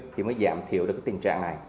thì mới giảm thiểu được cái tình trạng này